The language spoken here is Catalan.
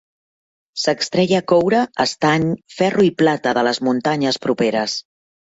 S'extreia coure, estany, ferro i plata de les muntanyes properes.